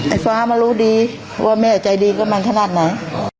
ฟ้ามารู้ดีว่าแม่ใจดีกับมันขนาดไหน